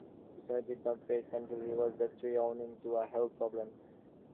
Precipitation did not race until he was three owing to a heel problem.